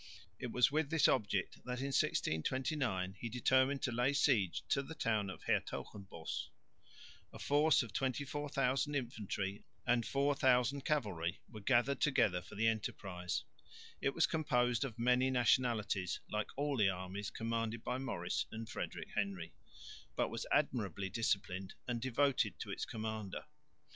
It was with this object that in 1629 he determined to lay siege to the town of Hertogenbosch. A force of 24,000 infantry and 4000 cavalry were gathered together for the enterprise. It was composed of many nationalities, like all the armies commanded by Maurice and Frederick Henry, but was admirably disciplined and devoted to its commander.